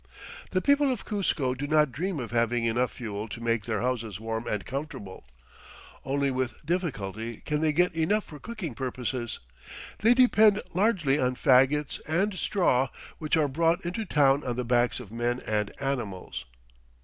The people of Cuzco do not dream of having enough fuel to make their houses warm and comfortable. Only with difficulty can they get enough for cooking purposes. They depend largely on fagots and straw which are brought into town on the backs of men and animals.